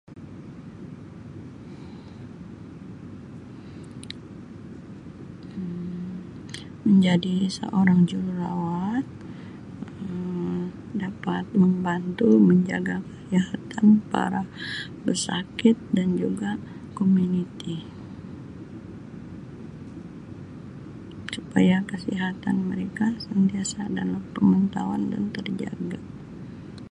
Um Menjadi seorang Jururawat Um dapat membantu menjaga kesihatan para pesakit dan juga komuniti supaya kesihatan mereka sentiasa dalam pemantauan dan terjaga.